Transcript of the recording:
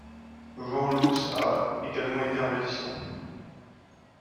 Jean Loos a également été un résistant.